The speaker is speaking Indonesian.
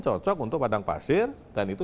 cocok untuk padang pasir dan itu